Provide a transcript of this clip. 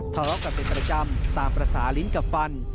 ท้อร้อกกันเป็นประจำตามประสารินกับฟัน